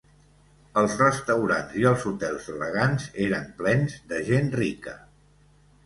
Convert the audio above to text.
Els restaurants i els hotels elegants eren plens de gent rica